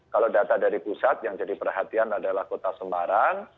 kalau data dari pusat yang jadi perhatian adalah kota semarang